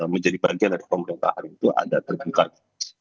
menjadi bagian dari pemerintahan itu ada terbukanya